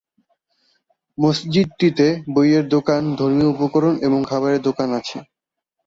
মসজিদটিতে বইয়ের দোকান, ধর্মীয় উপকরণ এবং খাবারের দোকান আছে।